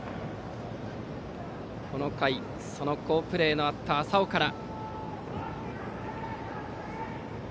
この回、その好プレーのあった朝生から。